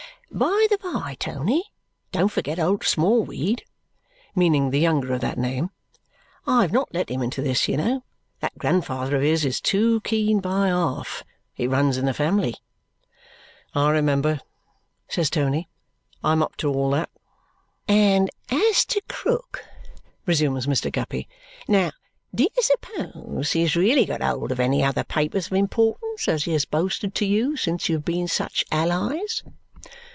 "By the by, Tony, don't forget old Smallweed," meaning the younger of that name. "I have not let him into this, you know. That grandfather of his is too keen by half. It runs in the family." "I remember," says Tony. "I am up to all that." "And as to Krook," resumes Mr. Guppy. "Now, do you suppose he really has got hold of any other papers of importance, as he has boasted to you, since you have been such allies?"